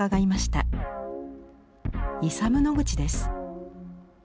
イサム・ノグチです。